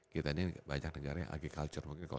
kita ini banyak negara yang agikulture mungkin kursingan